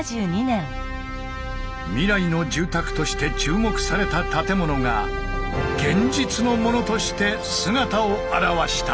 未来の住宅として注目された建物が現実のものとして姿を現した。